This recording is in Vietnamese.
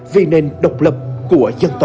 vì nền độc lập của dân tộc